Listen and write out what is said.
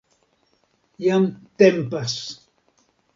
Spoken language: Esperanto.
Jam tempas